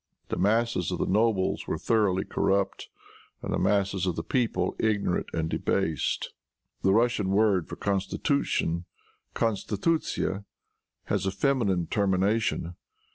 The masses of the nobles were thoroughly corrupt, and the masses of the people ignorant and debased. The Russian word for constitution, constitutsya, has a feminine termination.